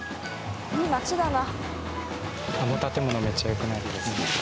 いい街だな。